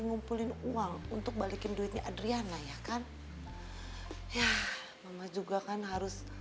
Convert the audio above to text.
ngumpulin uang untuk balikin duitnya adrian lah ya kan ya mama juga kan harus